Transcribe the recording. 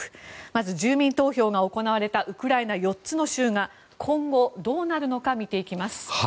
まず住民投票が行われたウクライナ４つの州が今後、どうなるのか見ていきます。